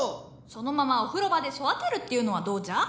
そのままお風呂場で育てるっていうのはどうじゃ？